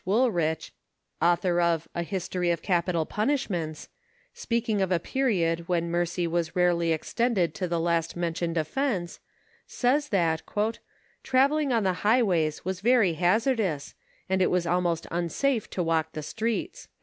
Woolrych, author of a *< History of Capital Puniish ments," speaking of a period when mercy was rarely extended to the last mentioned offense, says that «' travelling on the high* ways was very hazardous, and it was almost unsafe to walk the streets."